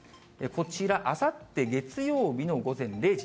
こちらあさって月曜日の午前０時。